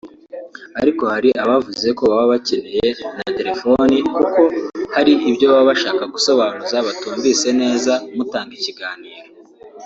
ariko hari abavuze ko bari bakeneye na telefoni kuko hari ibyo baba bashaka gusobanuza batumvise neza mutanga ikiganiro…